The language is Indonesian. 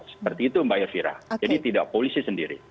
seperti itu mbak elvira jadi tidak polisi sendiri